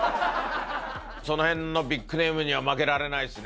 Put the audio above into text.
そのへんのビックネームには、負けられないですね。